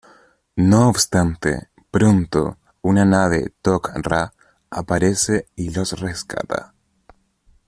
No obstante, pronto, una nave Tok'ra aparece y los rescata.